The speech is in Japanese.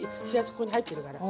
ここに入ってるから。